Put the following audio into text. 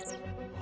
あ。